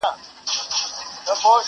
پر لکړه رېږدېدلی،